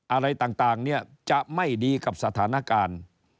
อะไรต่างเนี่ยจะไม่ดีกับสถานการณ์